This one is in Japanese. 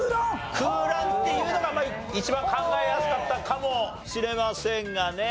空欄っていうのが一番考えやすかったかもしれませんがね。